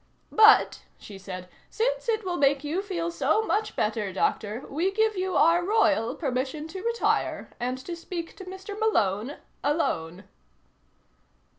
"But," she said, "since it will make you feel so much better, Doctor, we give you our Royal permission to retire, and to speak to Mr. Malone alone."